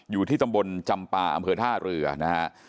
อยู่ที่ตำบลจำปาอำเภอท่าเรือนะฮะ